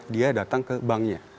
dia datang ke banknya